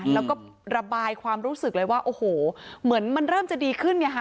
แล้วก็ระบายความรู้สึกเลยว่าโอ้โหเหมือนมันเริ่มจะดีขึ้นไงฮะ